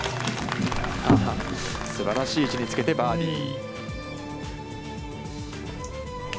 すばらしい位置につけてバーディー。